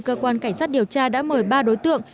cơ quan cảnh sát điều tra đã mời ba đối tượng